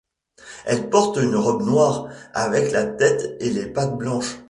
Elle porte une robe noire, avec la tête et les pattes blanches.